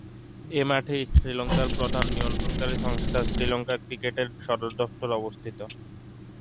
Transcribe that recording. এ মাঠেই শ্রীলঙ্কার প্রধান নিয়ন্ত্রণকারী সংস্থা শ্রীলঙ্কা ক্রিকেটের সদর দফতর অবস্থিত।